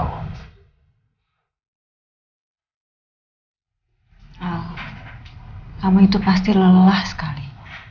kamu itu pasti lelah sekali